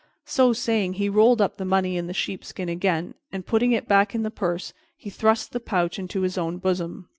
So saying, he rolled up the money in the sheepskin again, and putting it back in the purse, he thrust the pouch into his own bosom.